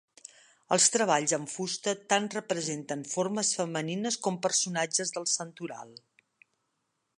Els treballs en fusta tant representen formes femenines com personatges del santoral.